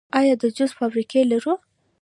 آیا د جوس فابریکې لرو؟